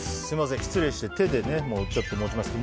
失礼して、手で持ちますが。